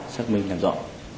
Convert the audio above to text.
xác minh làm rõ